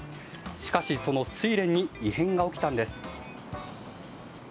しかしそのスイレンに異変が起きたんです。